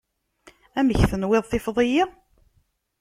Amek tenwiḍ tifeḍ-iyi?